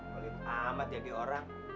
kalo ini amat jadi orang